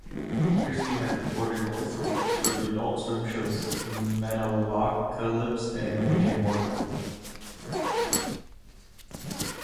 Christy has recorded voiceovers for the Adult Swim shows "Metalocalypse" and "Rick and Morty".